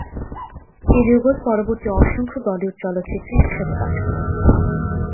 এই যুগল পরবর্তী অসংখ্য বলিউড চলচ্চিত্রে একসাথে কাজ করে।